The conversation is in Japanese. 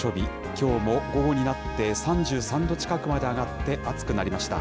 きょうも午後になって、３３度近くまで上がって、暑くなりました。